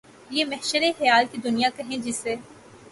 یہ محشرِ خیال کہ دنیا کہیں جسے